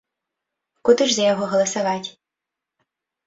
Куды ж за яго галасаваць?